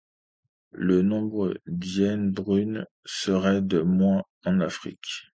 Le nombre d'hyènes brunes serait de moins de en Afrique.